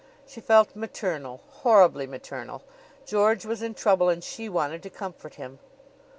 She felt maternal horribly maternal. George was in trouble and she wanted to comfort him.